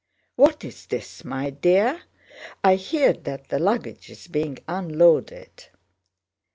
"What is this, my dear? I hear that the luggage is being unloaded."